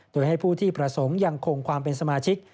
โดยให้ผู้ที่ประสงค์ยังคงความเป็นสมาชิก